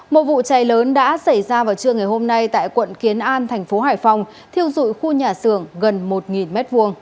một vụ cháy lớn đã xảy ra vào trưa ngày hôm nay tại quận kiến an thành phố hải phòng thiêu dụi khu nhà xưởng gần một m hai